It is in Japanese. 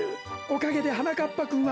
おかけではなかっぱくんはマメ